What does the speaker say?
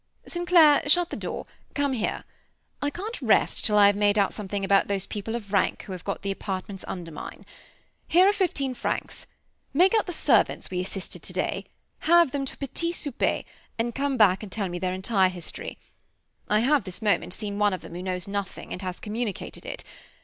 "St. Clair, shut the door; come here. I can't rest till I have made out something about those people of rank who have got the apartments under mine. Here are fifteen francs; make out the servants we assisted today have them to a petit souper, and come back and tell me their entire history. I have, this moment, seen one of them who knows nothing, and has communicated it.